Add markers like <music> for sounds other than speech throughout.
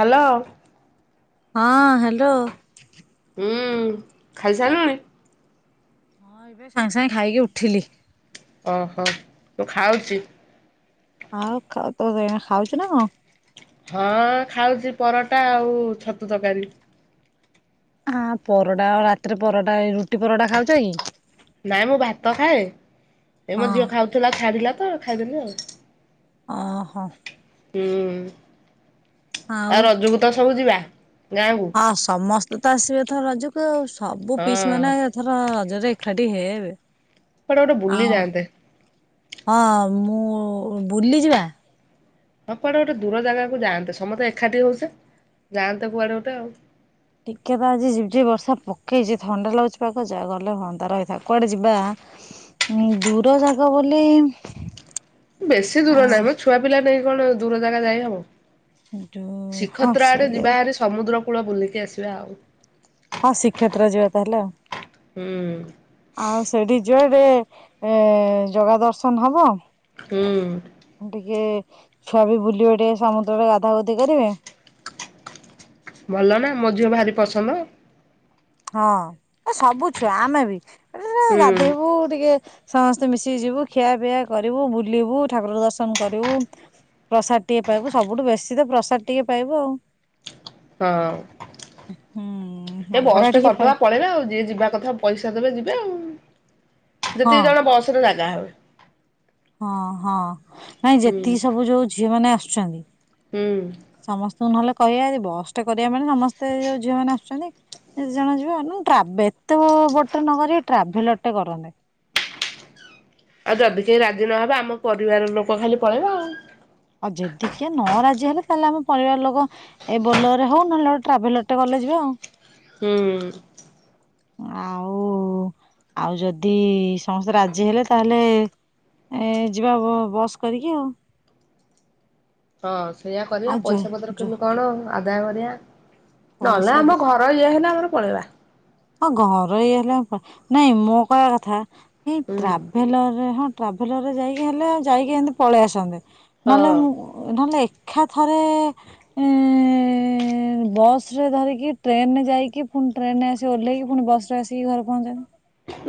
Hello. ହଁ hello. ହୁଁ ଖାଇ ସାରିଲୁଣି? ହଁ ଏବେ ସାଙ୍ଗେ ସାଙ୍ଗେ ଖାଇକି ଉଠିଲି। ଓହୋ ମୁଁ ଖାଉଚି? ଆଉ ଖାଉ ତୁ ଏଇନା ଖାଉଛୁ ନା କଣ? ହଁ ଖାଉଛି ପରଟା ଆଉ ଛତୁ ତରକାରୀ। ହଁ ପରଟା ରାତିରେ ପରଟା ଏ ରୁଟି ପରଟା ଖାଉଛ କି? ନାଇଁ ମୁଁ ଭାତ ଖାଏ ଏ ହଁ। ମୋ ଝିଅ ଖାଉଥିଲା ଛାଡ଼ିଲା ତ ଖାଇଦେଲି ଆଉ। ଓହୋ। ହୁଁ। ଆଉ ରଜକୁ ତ ସବୁ ଯିବା? ଗାଁକୁ ହଁ ସମ ତୁ ତ ଆସିବୁ ଏଥର ରଜକୁ ଆଉ। ସବୁ ପିଇସି ହଁ ମାନେ ଏଥର ରଜରେ ଏକା ଠି ହେବେ। କୁଆଡେ ଗୋଟେ ବୁଲି ଆଉ ଯାଆନ୍ତେ। ହଁ ମୁଁ ବୁଲି ଯିବା। ହଁ କୁଆଡେ ଗୋଟେ ଦୂର ଜାଗାକୁ ଯାଆନ୍ତେ ସମସ୍ତେ ଏକାଠି ହୋଉଚେ ଯାଆନ୍ତେ କୁଆଡେ ଗୋଟେ ଆଉ। ଟିକେ ପା ଆଜି ଝିପଝିପ୍ ବର୍ଷା ପକେଇଚି ଥଣ୍ଡା ଲାଗୁଚି ପାଗ ଯା ଗଲେ ହୁଅନ୍ତା ରହିଥା କୁଆଡେ ଯିବା ଦୂର ଜାଗା ବୋଲି ବେଶୀ ଆ ଦୂର ନାହିଁମ ଛୁଆ ପିଲା ନେଇ କଣ ଦୂର ଜାଗା ଯାଇ ହବ? ଯୋଉ ହଁ ଶିଖତ୍ର ଆଡେ ସେଇଆ ଯିବାହାରି ସମୁଦ୍ର କୂଳ ବୁଲିକି ଆସିବା ଆଉ। ହଁ ଶ୍ରୀକ୍ଷେତ୍ର ଯିବା ତାହେଲେ ଆଉ। ହୁଁ। ରେ ଏଁ ଜଗା ଦର୍ଶନ ହବ। ହୁଁ। ଟିକେ ଛୁଆ ବି ବୁଲିବେ ଟିକେ ସମୁଦ୍ରରେ ଗାଧାଗୁଧି କରିବେ। ଭଲ ନା ମୋ ଝିଅ ଭାରି ପସନ୍ଦ। ହଁ ଏ ସବୁ ଛୁଆ ଆମେ ବି। ଏ ହୁଁ ଗାଧୋଇବୁ ଟିକେ ସମସ୍ତେ ମିଶିକି ଯିବୁ ଖିଆପିଆ କରିବୁ ବୁଲିବୁ ଠାକୁର ଦର୍ଶନ କରିବୁ ପ୍ରସାଦ ଟିକେ ପାଇବୁ ସବୁଠୁ ବେଶୀ ତ ପ୍ରସାଦ ଟିକେ ପାଇବୁ ଆଉ। ହଁ ହୁଁ ଏ ଅବଢା ବସ ଗୋଟେ ଟିକେ କରି ପାଇ ଦବା ପଳାଇବା ଆଉ ଯିଏ ଯିବା କଥା ପଇସା ଦେବେ ଯିବେ। ଆଉ। ହଁ ଯେତିକି ଜଣ ବସରେ ଜାଗା ହେବେ। ହଁ ହଁ ନାଇଁ ହୁଁ ଯେତିକି ସବୁ ଯୋଉ ଝିଅ ମାନେ ଆସୁ ଛନ୍ତି ହୁଁ। ଶୁଣ ନହେଲେ କହିବା ବସ ଟେ କରିବା ପାଇଁ ସମସ୍ତେ ଯୋଉ ଝିଅ ମାନେ ଆସୁଛନ୍ତି ସେ ଜଣ ଯିବେ ଏ ଟ୍ରାବେ ଏତ ଗୋଟେ ନକରି ଟ୍ରାଭେଲରଟେ କରନ୍ତେ। ଆଉ ଯଦି କେହି ରାଜି ନହେବେ ଆମ ପରିବାର ଲୋକ ଖାଲି ପଳେଇବା ଆଉ। ଆଉ ଯଦିିକିଏ ନ ରାଜି ହେଲେ ତାହେଲେ ଆମ ପରିବାର ଲୋକ ଏଇ ବୋଲେରେ ହଉ ନହେଲେ ଗୋଟେ ଟ୍ରାଭେଲର ଗୋଟେ ଗଲେ ଯିବେ ଆଉ। ହୁଁ। ଆଉ ଆଉ ଯଦି ସମସ୍ତେ ରାଜି ହେଲେ ତାହେଲେ ଯିବା ବସ୍ କରିକି ଆଉ। ହଁ ସେଇୟଆ କରିବା ଆଉ ଯ ପଇସା ପତ୍ର ଯ କେମତି କଣ ଆଦାୟ କରିଆ ନହେଲେ ପଇସା ଆମ ଘର ଇଏ ହେଲା ଆମର ପଳେଇବା ହଁ ଘର ଇ ହେଲେ କଁ ନାଇଁ ମୁଁ କହିଆ କଥା ଏଇ ହୁଁ। ଟ୍ରାଭେଲର ରେ ହ ଟ୍ରାଭେଲରରେ ଯାଇକି ହେଲେ ଆଉ ଯାଇକି ଏମିତି ପଳେଇ ଆସନ୍ତେ ନହେଲେ ହଁ ମୁଁ ନହଲେ ଏକ ଏକାଥରେ ଏଁ ଏଁ ଏଁ ଏଁ ବସ ରେ ଧରିକି ଟ୍ରେନରେ ଯାଇକି ପୁଣି ଟ୍ରେନ ଆସ ସେ ଓହ୍ଲେଇକି ପୁଣି ବସରେ ଆସିକି ଘରେ ପହଞ୍ଚନ୍ତି।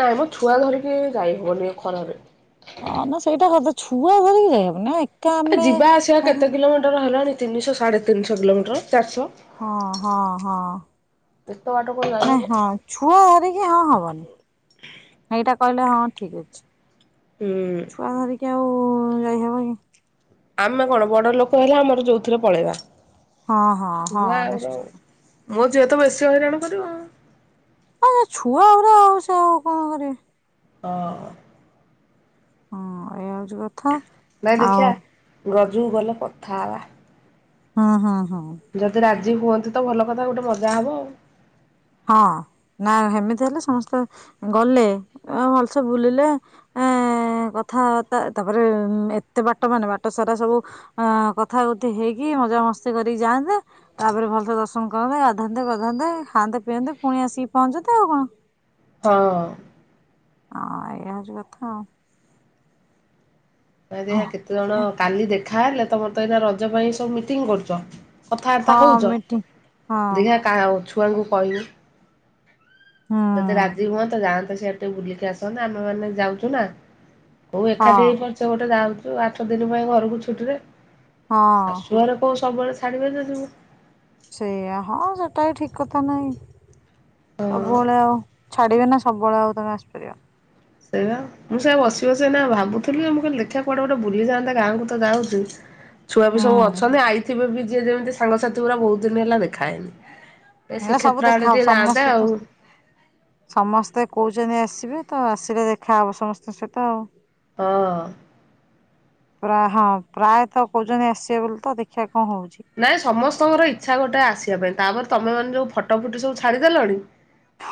ନାଇ ମ ଛୁଆ ଧରିିକି ଯାଇ ହବନି ଏଇ ଖରାରେ। ହଁ ନା ସେଇଟା ସତ ଛୁଆ ଧରିିକି ଯାଇ ହବନି ନାଇ ଆରେ ଯିବା ଆସିବା କେତେ କିଲୋମିଟର ହେଲାଣି ତିନିଶହ ସାଢେ ତିନିଶହ କିଲୋମଟର। ହଁ ହଁ ହଁ। ଏତେ ବାଟ କଣ ଯାଇ ହବ। ନାଇ ହଁ ଛୁଆ ଧରିକି ହଁ ହବନି ଏଇଟା କହିଲେ ହଁ ଠିକ ଅଛି ହୁଁ। ଛୁଆ ଧରିକି ଆଉ ଯାଇହବ କି ଆମେ କଣ ବଡ ଲୋକ ହେଲେ ଆମର ଯୋଉଥିରେ ପଳେଇବା। ହଁ ହଁ ହଁ ଛୁଆ ଗୁରା ନିଶ୍ଚିନ୍ତ। ମୋ ଝିଅ ତ ବେଶୀ ହଇରାଣ କରିବ। ଆ ଛୁଆ ଗୁରା ଆଉ ସେ ଆଉ କଣ କରିବେ। ହଁ। ହଁ ଏୟା ଏଇ କଥା ନାଇଁ ଦେଖିଆ ଆଉ ରଜକୁ ଗଲେ କଥା ହେବା। ହଁ ହଁ। ଯଦି ରାଜି ଜି ହୁଅନ୍ତି ତ ଭଲ କଥା ଗୋଟେ ମଜା ହବ ଆଉ। ହଁ ନା ସେମିତି ହେଲେ ସମସ୍ତେ ଗଲେ ଭଲସେ ବୁଲିଲେ ଏ କଥାବାର୍ତ୍ତା ତାପରେ ଏତେ ବାଟ ମାନେ ବାଟ ସାରା ସବୁ କଥା କୁଥି ହେଇକି ମଜା ମସ୍ତି କରିକି ଯାଆନ୍ତେ ତାପରେ ଭଲସେ ଦର୍ଶନ କରନ୍ତେ ଗାଧାନ୍ତେ ପାଧାନ୍ତେ ଖାଆନ୍ତେ ପିଅନ୍ତେ ପୁଣି ଆସିକି ପହଞ୍ଚତେ ଆଉ କଣ। ହଁ। ହଁ ଏୟା ହଉଛି କଥା ଆଉ। ଆ ହଁ ଦେଖିଆ କେତେ ଜଣ କାଲି ଦେଖା ହେଲେ ତମ ଏଇଟା ରଜ ପାଇଁ ସବୁ ମିଟିଂ କରୁଛ। କଥାବାର୍ତା ହଁ ହଉଛ ମିଟିଂ ହଁ ଦେଖିଆ କାହା ଅଛୁ ଛୁଆଙ୍କୁ କହିବୁ। ହୁଁ ଯଦି ରାଜି ହୁହନ୍ତ ଯାଆନ୍ତ ସିଆଡ଼େ ଟିକେ ବୁଲିକି ଆସନ୍ତେ ଆମେ ମାନେ ଯାଉଛୁ ନା। କୋଉ ହଁ ଏକାଠି ହେଇ ପାରୁଚୁ ଗୋଟେ ଯାଉଚୁ ଆଠ ଦିନ ପାଇଁ ଘରକୁ ଛୁଟିରେ ହଁ ଶାଶୂ ଘରେ କୋଉ ସବୁବେଳେ ସେ ଛାଡ଼ିବେ ତ ଯିବୁ ସେଇଆ ହଁ ସେ ସେଟା ବି ଠିକ୍ କଥା ନାଇଁ ହଁ। ସବୁବେଳେ ଆଉ ଛାଡିବେ ନା ସବୁବେଳେ ଆଉ ତମେ ଆସିପାରିବ। ସେଇ ବା ମୁଁ ସେଇଆ ବସି ବସି ଏଇନା ଭାବୁଥିଲି ମୁଁ କହିଲି ଦେଖିଆ କୁଆଡେ ଗୋଟେ ବୁଲି ଯାଆନ୍ତା ଗାଁକୁ ତ ଯାଉଚୁ ଛୁଆ ବି ସବୁ ହୁଁ ଅଛନ୍ତି ଆଇଥିବେ ବି ଯିଏ ଯେମିତି ସାଙ୍ଗସାଥି ଗୁରା ବହୁତ ଦିନ ହେଲା ଦେଖାହେଇନି। ଏ ହେରା ସବୁ ଶ୍ରୀକ୍ଷେତ୍ର ଆଡେ ଦେଖାହବ ଟିକେ ଯାଆନ୍ତେ ସମସ୍ତେ ଆଉ ତ ସମସ୍ତେ କହୁଚନ୍ତି ଆସିବେ ତ ଆସିଲେ ଦେଖାହବ ସମସ୍ତଙ୍କ ସହିତ ଆଉ। ହଁ। ପୁରା ହଁ ପ୍ରାୟତଃ କହୁଚନ୍ତି ଆସିବେ ବୋଲି ତ ଦେଖିବା କଣ ହଉଛି। ନାଇଁ ସମସ୍ତଙ୍କର ଇଚ୍ଛା ଗୋଟେ ଆସିବା ପାଇଁ ତାପରେ ତମେ ମାନେ ଯୋଉ ଫଟ ଫୁଟ ସବୁ ଛାଡିଦେଲଣି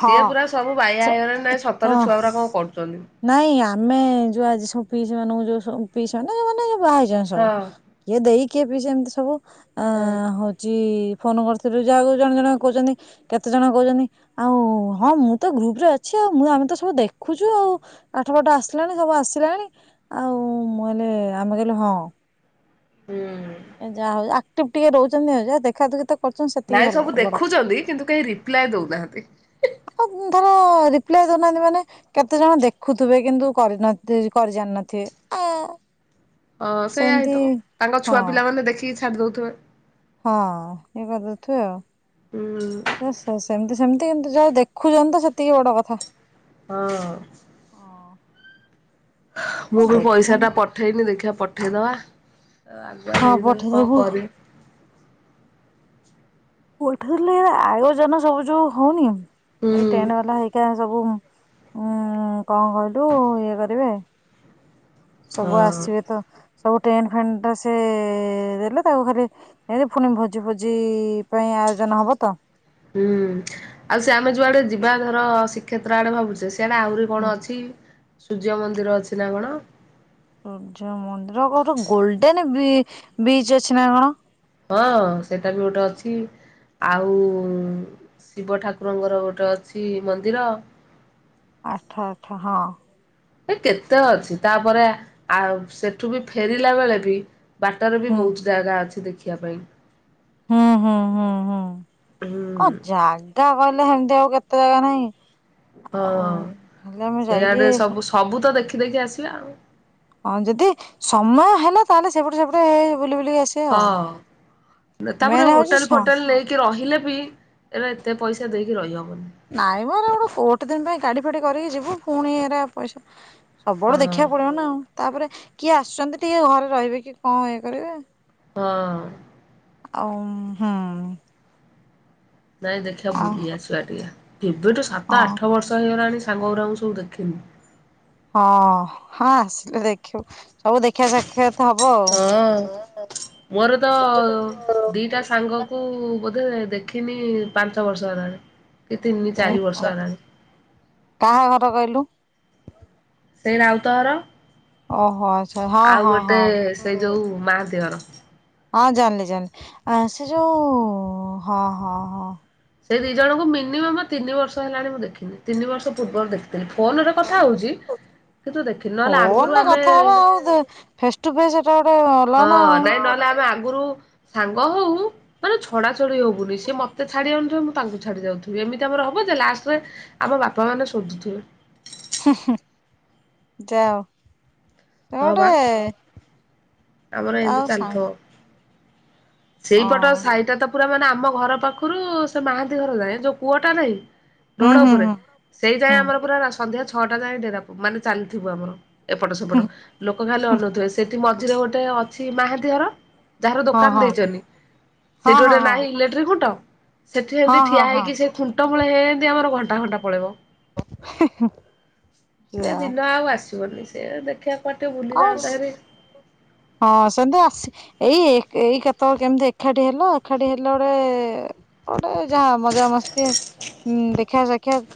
ସିଏ ପୁରା ସବୁ ବାଇଆ ହେଇଗଲେଣି ନାଇଁ ଅ ସତରେ ଛୁଆ ଗୁରା କଣ କରୁଚନ୍ତି। ନାଇଁ ଆମେ ଯୋଉ ଆଜି ସବୁ ପିଇସି ମାନଙ୍କୁ ଯୋଉ <unintelligible> ନାଇ ମାନେ କୁହା ହେଇଛନ୍ତି ସବୁ ହଁ ଯିଏ ଦେଇ କିଏ ପି ଛନ୍ତି ସବୁ? ଆ ହଁ ହଉଛି ଫୋନ କରିଥିଲି ଯାହା ଜଣେ ଜଣ କହୁଛନ୍ତି କେତେ ଜଣ କହୁଛନ୍ତି ଆଉ ହଁ ମୁଁ ତ ଗ୍ରୁପରେ ଅଛି ଆଉ ମୁଁ ଆମେ ତ ସବୁ ଦେଖୁଛୁ ଆଉ ପାଠ ପାଠ ଆସିଲାଣି ସବୁ ଆସିଲାଣି ଆଉ ମୁଁ ହେଲେ ଆମେ କହିଲୁ ହଁ। ହୁଁ। ଏ ଯାହା ହଉ ଆକ୍ଟିଭ ଟିକେ ରହୁଛନ୍ତି ହଉ ଯ ଦେଖା ଦେଖି ତ କରୁଛନ୍ତି ସେତିକି ନାଇଁ ଭଲ ସବୁ ବଡ ଦେଖୁଛନ୍ତି କିନ୍ତୁ କେହି ରି ପ୍ଲାଏ ଦଉନାହାନ୍ତି। ଆଉ କୁ ଧର ରିପ୍ଲାଏ ଦଉନାହାନ୍ତି ମାନେ କେତେ ଜଣ ଦେଖୁଥିବେ କିନ୍ତୁ କରି ନ ଥି କରି ଜାଣି ନଥିବେ ଆଁ ହଁ ସେୟା ହେଇ ଥିବ ତାଙ୍କ ଛୁଆ ପିଲା ମାନେ ଦେଖିକି ଛାଡ଼ି ଦେଉଥିବେ। ହଁ ଇଏ କରି ଦେଉଥିବେ ହୁଁ ଆଉ ସେ ସେମିତି ସେମିତି କିନ୍ତୁ ଯାହା ହଉ ଦେଖୁଛନ୍ତି ତ ସେତିକି ବଡ କଥା। ହଁ। ହଁ ମୁଁ ବି ଦେଖ ପଇସା ଟା ପଠେଇନି ଦେଖିବା ପଠେଇ ଦବା। ତ ଆଗୁଆ ହଁ ଦେଇଦେଲି କଣ ପଠେଇଦବୁ କରିବି। ପଠେଇଲେ ଆୟୋଜନ ସବୁ ଯୋଉ ହଉନି ହୁଁ ଏଇ ଟେଣ୍ଡ ବାଲା ହେଇକା ସବୁ ଉୁଁ କଣ କହିଲୁ ଇଏ କରିବେ ସବୁ ହଁ। ଆସିବେ ତ ସବୁ ଟେଣ୍ଟ ଫେଣ୍ଟ ଟା ସେ ଦେଲେ ତାକୁ ଖାଲି ଏ ପୁଣି ଭୋଜି ଫୋଜି ପାଇଁ ଆୟୋଜନ ହବ ତ। ହୁଁ ଆଉ ସେ ଆମେ ଯୁଆଡେ ଯିବା ଧର ଶ୍ରୀକ୍ଷେତ୍ର ଆଡେ ଭାବୁଛେ ସେଟା ଆହୁରି କଣ ଅଛି? ସୂର୍ଯ୍ୟ ମନ୍ଦିର ଅଛି ନା କଣ? ସୂର୍ଯ୍ୟ ମନ୍ଦିର ଗୋଟେ ଗୋଲଡେନ ବିଚ୍ ଅଛି ନା କଣ? ହଁ ସେଇଟା ବି ଗୋଟେ ଅଛି ଆଉ ଶିବ ଠାକୁରଙ୍କର ଗୋଟେ ଅଛି ମନ୍ଦିର। ଆଚ୍ଛା ଆଛା ହଁ। ଏ କେତେ ଅଛି। ତାପରେ ଆ ସେଠୁ ବି ଫେରିଲା ବେଳେ ବି ବାଟରେ ବି ହୁଁ ବହୁତ ଜାଗା ଅଛି। ଦେଖି ଖିବା ପାଇଁ। ହୁଁ ହୁଁ ହୁଁ ହୁଁ। ଅ ହୁଁ ଜାଗା କହିଲେ ହେମତି ତି ଆଉ କେତେ ଜାଗା ନାହିଁ। ହଁ ଆଉ ହେଲେ ଆମେ ଯାଇକି ସେଆଡେ ସବୁ ସବୁ ତ ଦେଖି ଦେକି ଆସିବା ଆଉ। ହଁ ଯଦି ସମୟ ହେଲା ତାହେଲେ ସେପଟେ ସେପଟେ ବୁଲି ବୁଲିକି ଆସିବା ହଁ ଆଉ। ନା ତାପରେ ମେନ୍ ହଉଛି ହୋଟେଲ ସ ଫୋଟେଲ ନେଇକି ରହିଲେ ବି ଏରା ଏତେ ପଇସା ଦେଇ ରହିହବନି। ନାଇଁ ମ ଏରା ରା ଗୋଟେ ଦିନ ପାଇଁ ଗାଡି ଫାଡି କରିକି ଯିବୁ ପୁଣି ଏରା ପଇସା ସବୁଆଡୁ ହଁ ଦେଖିବାକୁ ପଡିବ ନା ତାପରେ କିଏ ଆସୁଛନ୍ତି ଟିକେ ଘରେ ରହିବେ କି କଣ ଇଏ କରିବେ। ହଁ। ଆଉ ହୁଁ। ନାଇଁ ଦେଖିବା ଆଉ ବୁଲି ଆସିବା ଟିକିଏ। କେବେଠୁ ସାତ ହଁ ଆଠ ବର୍ଷ ହେଇଗଲାଣି ସାଙ୍ଗଉରଙ୍କୁ ସବୁ ଦେଖିନି। ହଁ ହଁ ଆସିଲେ ଦେଖିବୁ। ସବୁ ଦେଖିବା ସାକ୍ଷାତ ହବ ହଁ ମୋର ତ ଦିଟା ସାଙ୍ଗ କୁ ବୋଧେ ଦେଖ ଖିନି ପାଞ୍ଚ ବର୍ଷ ହେଲାଣି। କି ତିନି ଚାରି ବର୍ଷ ହେଲାଣି <unintelligible> କାହାଘର କହିଲୁ। ସେଇ ରାଉତ ଘର। ଓହୋ ଆଚ୍ଛା ହଁ ଆଉ ହଁ ଗୋଟେ ହଁ ସେଇ ଯୋଉ ମାହାନ୍ତି ଘର। ହଁ ଜାଣିଲି ଜାଣିଲି ଆଁ ସେ ଯୋଉ ହଁ ହଁ ହଁ। ସେଇ ଦି ଜଣଙ୍କୁ ମିନିମମ୍ ତିନି ବର୍ଷ ହେଲାଣି ମୁଁ ଦେଖିନି ତିନି ବର୍ଷ ପୂର୍ବରୁ ଦେଖିଥି କିନ୍ତୁ ଦେଖିନି ନହେଲେ ଆଗରୁ ଫୋନ ରେ ଆମେ କଥା ହବା ଦେ ଫେସ୍ ଟୁ ଫେସ୍ ଏଟା ଗୋଟେ ଅଲଗା ହଁ ନା ଆଉ। ନାଇଁ ନହେଲେ ଆମେ ଆଗରୁ ସାଙ୍ଗ ହଉ ମାନେ ଛଡା ଛଡି ହବୁନି। ସେ ମତେ ଛାଡି ଆନଥିବେ ମୁଁ ତାଙ୍କୁ ଛାଡି ଯାଉଥିବି। ଏମିତି ଆମର ହବ ଯେ ଲାଷ୍ଟରେ ଆମ ବାପା ମାନେ ଶୋଧୁଥିବେ। ହୁଁ ହୁ ଯାଅ। ସେ ହଁ ଗୋଟେ ବା ଆମର ଏମିତି ଆଉ ସାଙ୍ଗଲ ଚାଲିଥିବ। ସେଇପଟ ସାହିଟା ତ ପୁରା ମାନେ ଆ ଆମ ଘର ପାଖରୁ ସେ ମାହାନ୍ତି ଘର ଯାଏ। ଯୋଉ କୁଅଟା ନାହିଁ। ହୁଁ ରୋଡ ହୁଁ ଉପରେ ହୁଁ ସେଇ ଯାଏଁ ହୁଁ ଆମର ପୁରା ରା ସନ୍ଧ୍ୟା ଛଅଟା ଯାଏ ଡେରା ମାନେ ଚାଲିଥିବ ଆମର ଏପଟ ସେପଟ ଲୋକ ଖାଲି ଅନଉଥିବେ ସେଠି ମଝିରେ ଗୋଟେ ଅଛି ମାହାନ୍ତିଘର ଯାହାର ହଁ ଦୋକାନ ହଁ ଦେଇଛି ସେଠି ହଁ ହଁ ଗୋଟେ ନାହିଁ ହଁ। ଇଲେକ୍ଟ୍ରିକ ଖୁଣ୍ଟ ସେଠି ଏମିତି ହଁ ଠିଆ ହଁ ହଁ ହେଇକି ସେ ଖୁଣ୍ଟ ମୁଳରେ ଳେତି ଆମର ଘଣ୍ଟ ଅଧା ଘଣ୍ଟା ପଳେଇବ ସେ ଦିନ ଆଉ ଆସିବନି ସେ ଦେଖିବା କୁଆଡେ ଟିକେ ବୁଲି ଆ ଯାଆନ୍ତା ହେରି ହଁ ସେତି ଆସି ଏଇ ଏଇ କେତେବେଳେ କେମିତି ଏକାଠି ହେଲା ଏକାଠି ହେଲା ଗୋଟେ ଗୋଟେ ଯାହା ମଜା ମସ୍ତି ଦେଖା ସାକ୍ଷାତ୍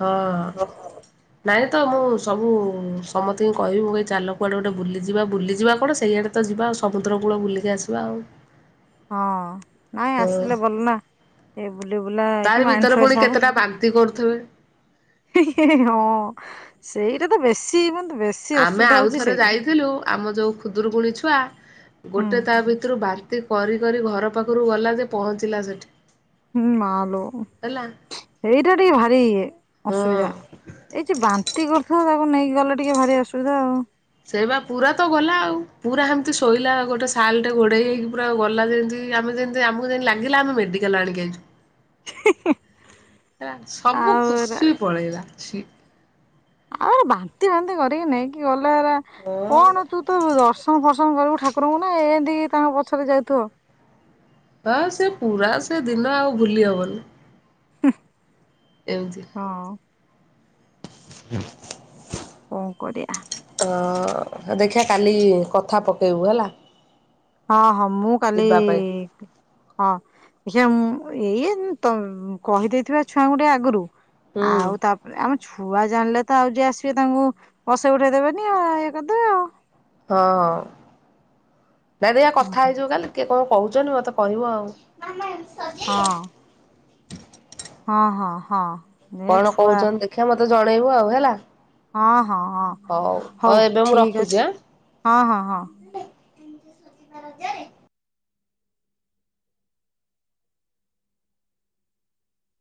ହଁ ନାଇଁ ତ ମୁଁ ସବୁ ସମସ୍ତେଙ୍କୁ କହିବି ମୁଁ ଚାଲକୁ ଆଡ଼େ ଗୋଟେ ବୁଲିଯିବା ବୁଲିଯିବା କଣ ସେଇଆଡ଼େ ତ ଯିବା ଆଉ ସମୁଦ୍ର କୂଳ ବୁଲିକି ଆସିବା ଆଉ ହଁ ନାଇଁ ଆସିଲେ ଭଲ ନା ସେ ବୁଲିବୁ ତାର ଭିତରେ ପୁଣି କେତେଟା ବାନ୍ତି କରୁଛି ଥେଵେ ହିଁ ହିଁ ହିଁ ହଁ ସେଇଟା ତ ବେଶୀ ମେ ଆମେ ଆଉଥରେ ଯାଇଥିଲୁ ଆମ ଯୋଉ ଖୁଦରୁକୁୁଣିୀ ଛୁଆ ହୁଁ ଗୋଟେ ତା ଭିତରୁ ବା ନ୍ତି କରି କରି ଘର ପାଖରୁ ଗଲା ଯେ ପହଞ୍ଚିଲା ସେଠି ହୁଁ ମାଲୋ ହେଲା ଏଇଟା ଟିକେ ଭାରି ଅସୁବିଧା ହଁ ଏଇ ଯେ ବାନ୍ତି କର ନ୍ତି ତାକୁ ନେଇକି ଗଲେ ଟିକେ ଭାରି ଅସୁବିଧା ଆଉ ସେଇବା ପୁରା ତ ଗଲା ଆଉ ପୁରା ସେମିତି ଶୋଇଲା ଗୋଟେ ସାଲଟେ ଘୋଡ଼େଇ ହେଇକି ପୁରା ଗଲା ଯେମିତି ଆମେ ଯେମିତି ଆମକୁ ଯେମିତି ଲାଗିଲା ଆମେ ମେଡ଼ିକାଲ ଆଣିକି ଆଣିଛୁ। ହେ ସବୁ ଆଉ ଏରା ଖୁସି ପଳେଇଲା ଛି ଆଉ ବାନ୍ତି ବାନ୍ତି କରିକି ନେଇକି ଗଲେ ହଁ। କଣ ତୁ ତ ଦର୍ଶନ ଫର୍ସଣ କରିବୁ ଠାକୁରଙ୍କୁ ନା ଏମତିକି ତାଙ୍କ ପଛରେ ଯାଉଥିବ ହଁ ସେ ପୁରା ସେ ଦିନ ଆଉ ଭୁଲି ହବନି ହୁଁ ଏମତି କଣ କରିବା। ହ ଦେଖିବା କାଲି କଥା ପକେଇବୁ ହେଲା। ହଁ ହଁ ମୁଁ କାଲି ଯିବା ପାଇଁ ହଁ। ଦେଖିବା ମୁଁ ଏଇଏ ତ କହିଦେଇଥିବା ଛୁଆଙ୍କୁ ଟିକେ ଆଗରୁ ହୁଁ ଆଉ ତାପରେ ଆମେ ଛୁଆ ଜାଣିଲେ ତ ଆଉ ଯିଏ ଆସିବେ ତାଙ୍କୁ ବସେଇ ଉଠେଇଦେବେନି ଆ ଇଏ କରିଦେବେ ଆଉ। ହଁ। କାରିୟା କଥା ହେଇଯିବୁ କାଲି କିଏ କଣ କହୁଛନ୍ତି ମୋତେ କହିବ ଆଉ। ହଁ। ହଁ-ହଁ-ହଁ। କଣ କହୁଛନ୍ତି ଦେଖିଆ ମତ ତେ ଜଣେଇବୁ ଆଉ ହେଲା। ହଁ-ହଁ-ହଁ ହଉ ଏବେ ମୁଁ ଠିକ ରଖୁଛି ଅଛି ହଁ-ହଁ-ହଁ। ଏଥର ରଜରେ।